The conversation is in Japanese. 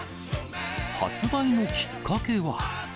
発売のきっかけは。